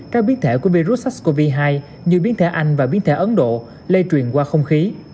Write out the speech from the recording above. các biến thể của virus sars cov hai như biến thể anh và biến thể ấn độ lây truyền qua không khí